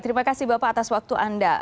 terima kasih bapak atas waktu anda